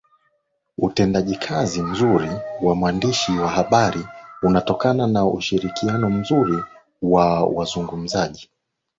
utendaji kazi mzuri wa mwandishi wa habari unatokana na ushirikiano mzuri wa wazungumzaji